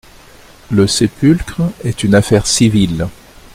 Le sépulcre est une affaire civile.